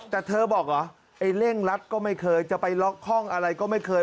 แต่เธอบอกเหรอไอ้เร่งรัดก็ไม่เคยจะไปล็อกห้องอะไรก็ไม่เคย